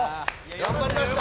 頑張りました。